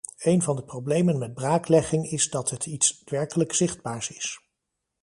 Een van de problemen met braaklegging is dat het iets werkelijk zichtbaars is.